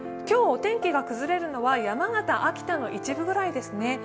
今日、お天気が崩れるのは山形、秋田の一部ぐらいですね。